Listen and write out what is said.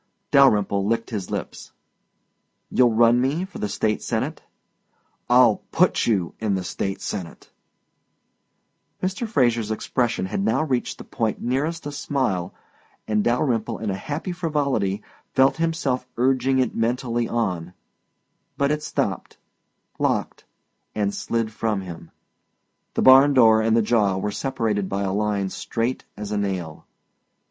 Dalyrimple licked his lips. "You'll run me for the State Senate?" "I'll PUT you in the State Senate." Mr. Fraser's expression had now reached the point nearest a smile and Dalyrimple in a happy frivolity felt himself urging it mentally on but it stopped, locked, and slid from him. The barn door and the jaw were separated by a line strait as a nail.